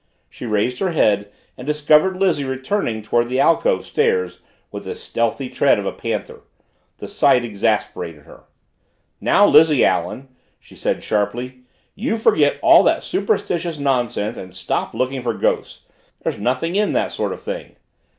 She raised her head and discovered Lizzie returning toward the alcove stairs with the stealthy tread of a panther. The sight exasperated her. "Now, Lizzie Allen!" she said sharply, "you forget all that superstitious nonsense and stop looking for ghosts! There's nothing in that sort of thing."